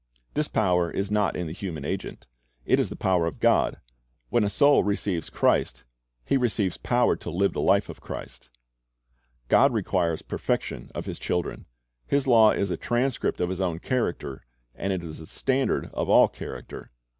"^ This power is not in the human agent. It is the power of God. When a soul receives Christ, he receives power to live the life of Christ. ' Matt. 5 : 17, 18 ■■'John i : 12 Without a Wedding Garment 315 God requires perfection of His children. His law is a transcript of His own character, and it is the standard of all character.